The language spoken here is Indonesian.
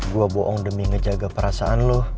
gue bohong demi ngejaga perasaan loh